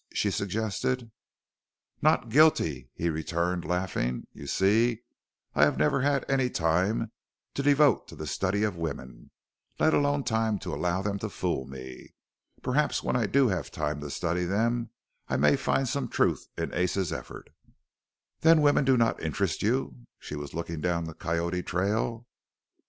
she suggested. "Not guilty," he returned laughing. "You see, I have never had any time to devote to the study of women, let alone time to allow them to fool me. Perhaps when I do have time to study them I may find some truth in Ace's effort." "Then women do not interest you?" She was looking down the Coyote trail.